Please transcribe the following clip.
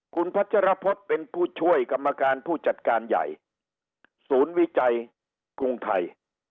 คุณพัชรพฤษเป็นผู้ช่วยกรรมการผู้จัดการใหญ่ศูนย์วิจัยกรุงไทย